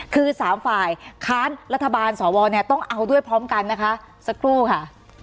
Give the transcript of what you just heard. คือสามฝ่ายค้านรัฐบาลสวเนี่ยต้องเอาด้วยพร้อมกันนะคะสักครู่ค่ะ